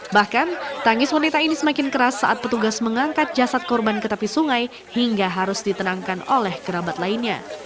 bahkan tangis wanita ini semakin keras saat petugas mengangkat jasad korban ke tepi sungai hingga harus ditenangkan oleh kerabat lainnya